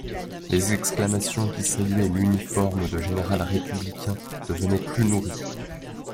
Les exclamations qui saluaient l'uniforme de général républicain devenaient plus nourries.